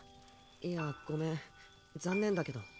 いやごめん残念だけど。